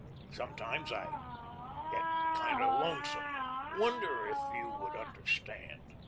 Sometimes I get kind of lonesome; wonder if you would understand?